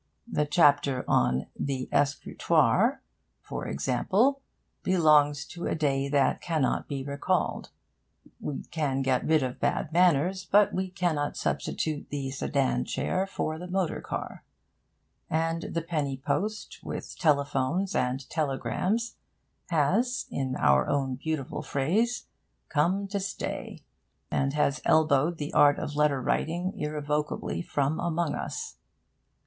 That chapter on 'The Escrutoire,' for example, belongs to a day that cannot be recalled. We can get rid of bad manners, but we cannot substitute the Sedan chair for the motor car; and the penny post, with telephones and telegrams, has, in our own beautiful phrase, 'come to stay,' and has elbowed the art of letter writing irrevocably from among us.